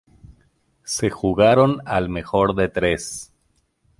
Se jugaron al mejor de tres.